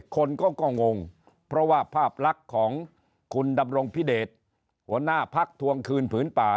คนก็งงเพราะว่าภาพลักษณ์ของคุณดำรงพิเดชหัวหน้าพักทวงคืนผืนป่า